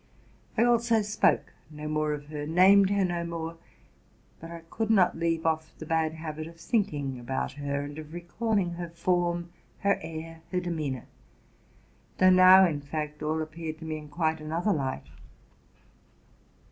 I also spoke no more of her, named her no more: but I could not leave off the bad habit of ae about her, and of recalling her form, her air, her demeanor though now, in fact, all "appeared to me in quite another light.